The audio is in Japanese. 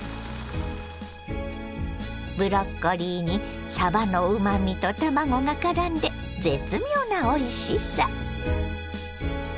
ブロッコリーにさばのうまみと卵がからんで絶妙なおいしさ。